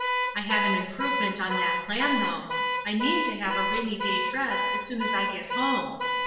I have an improvement on that plan, though; I mean to have a rainy day dress as soon as I get home.